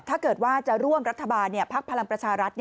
ถ้าเกิดว่าจะร่วมรัฐบาลพักพลังประชารัฐ